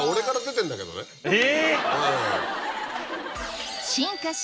え！